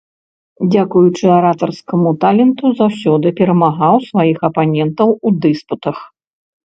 Дзякуючы аратарскаму таленту заўсёды перамагаў сваіх апанентаў у дыспутах.